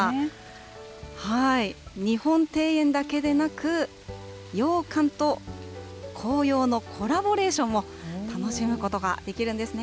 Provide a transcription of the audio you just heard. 日本庭園だけでなく、洋館と紅葉のコラボレーションも、楽しむことができるんですね。